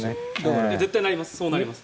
絶対そうなります。